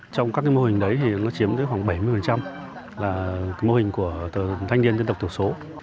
trong các mô hình đấy thì nó chiếm tới khoảng bảy mươi là mô hình của thanh niên dân tộc thiểu số